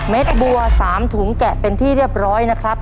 บัว๓ถุงแกะเป็นที่เรียบร้อยนะครับ